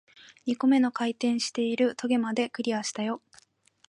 二個目の回転している棘まで、クリアしたよ